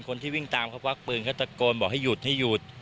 คนที่วิ่งตามเขาควักปืนเขาตะโกนบอกให้หยุดให้หยุด